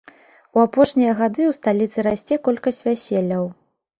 У апошнія гады ў сталіцы расце колькасць вяселляў.